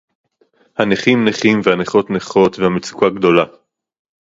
הנכים נכים והנכות נכות והמצוקה גדולה